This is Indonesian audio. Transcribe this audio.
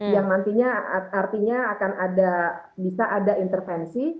yang nantinya artinya bisa ada intervensi